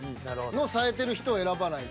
の冴えてる人を選ばないと。